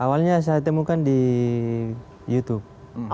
awalnya saya temukan di youtube